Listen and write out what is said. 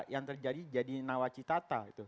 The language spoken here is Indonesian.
yang terjadi jadi nawacitata